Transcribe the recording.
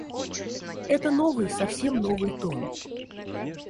Это новый, совсем новый тон.